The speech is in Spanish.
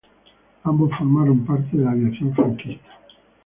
Ambos formaron parte de la aviación franquista.